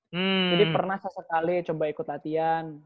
jadi pernah sesekali coba ikut latihan